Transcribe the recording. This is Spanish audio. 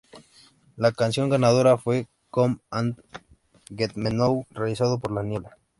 La canción ganadora fue "Come and Get Me Now", realizado por la niebla.